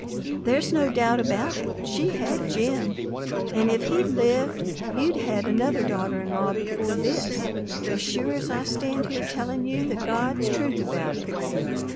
There's no doubt about it, she had Jim, and if he'd lived you'd had another daughter in law before this, as sure as I stand here telling you the God's truth about it!